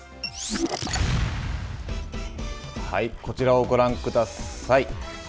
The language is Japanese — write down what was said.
こちらをご覧ください。